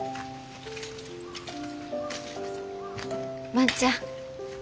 万ちゃん。